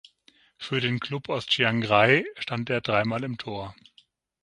Für den Club aus Chiangrai stand er dreimal im Tor.